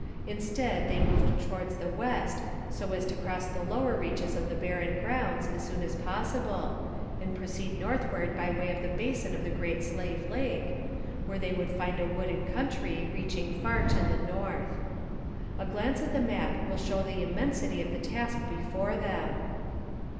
Instead, they moved towards the west so as to cross the lower reaches of the barren grounds as soon as possible and proceed northward by way of the basin of the Great Slave Lake, where they would find a wooded country reaching far to the north. A glance at the map will show the immensity of the task before them.